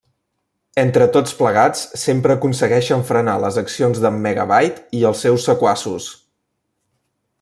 Entre tots plegats sempre aconsegueixen frenar les accions d'en Megabyte i els seus sequaços.